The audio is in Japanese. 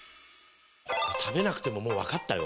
食べなくてももうわかったよ。